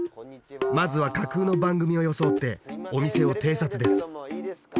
まずは架空の番組を装ってお店を偵察です